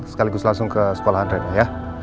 sekaligus langsung ke sekolahan reina ya